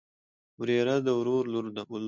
وريره د ورور لور.